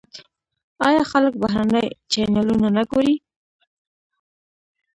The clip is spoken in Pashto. آیا خلک بهرني چینلونه نه ګوري؟